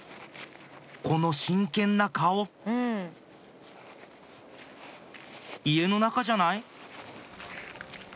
この真剣な顔家の中じゃない？